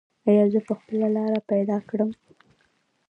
ایا زه به خپله لاره پیدا کړم؟